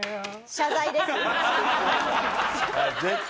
謝罪です。